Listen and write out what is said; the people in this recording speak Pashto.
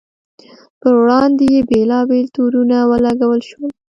پر وړاندې یې بېلابېل تورونه ولګول شول.